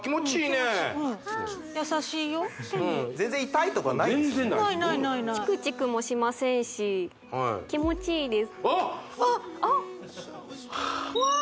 ないないないないチクチクもしませんし気持ちいいです